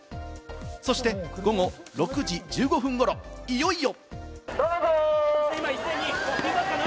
そして午後６時１５分ごろ、いよいよ。